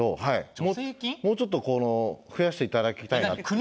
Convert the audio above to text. もうちょっとこの増やしていただきたいなって。